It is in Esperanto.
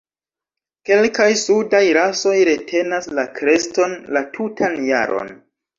Kelkaj sudaj rasoj retenas la kreston la tutan jaron.